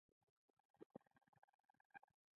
هیلۍ تل د امن سمبول ګڼل شوې ده